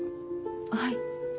はい？